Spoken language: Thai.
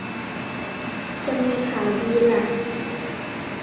จะมีข่าวดีล่ะ